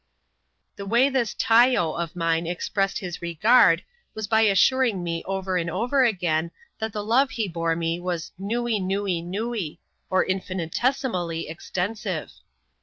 The way this '^ tayo " of mine expressed his regard, was lij assuring me over and over again that the love he bore me was ^^ nuee, nuee, nuee," or infinitesimally extensive.